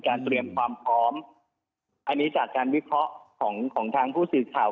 เตรียมความพร้อมอันนี้จากการวิเคราะห์ของของทางผู้สื่อข่าว